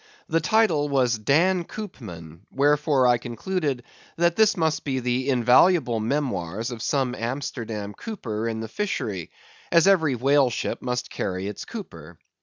The title was, "Dan Coopman," wherefore I concluded that this must be the invaluable memoirs of some Amsterdam cooper in the fishery, as every whale ship must carry its cooper.